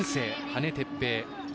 羽根徹平。